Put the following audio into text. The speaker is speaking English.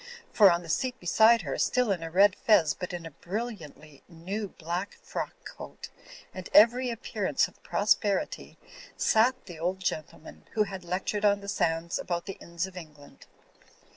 For on the seat beside her, still in a red fez but in a brilliantly new black frock coat and every appearance of prosperity, sat the old gentleman who had lectured on the sands about the inns of England.